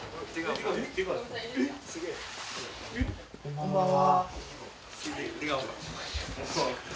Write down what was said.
こんばんは。